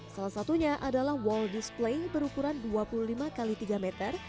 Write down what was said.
salah satunya adalah wall display berukuran dua puluh lima x tiga meter